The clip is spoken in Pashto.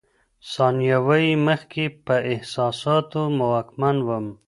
ثانیه وايي، مخکې په احساساتو واکمن وم.